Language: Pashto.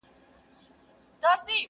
کورنۍ پټ عمل کوي د شرم.